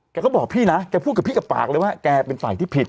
แกก็บอกพี่นะแกพูดกับพี่กับปากเลยว่าแกเป็นฝ่ายที่ผิด